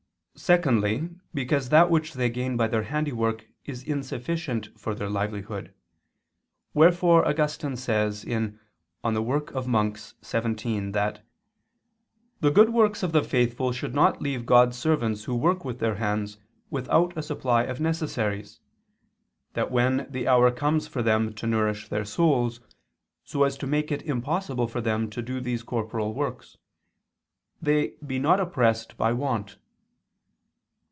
Secondly, because that which they gain by their handiwork is insufficient for their livelihood: wherefore Augustine says (De oper. Monach. xvii) that "the good works of the faithful should not leave God's servants who work with their hands without a supply of necessaries, that when the hour comes for them to nourish their souls, so as to make it impossible for them to do these corporal works, they be not oppressed by want."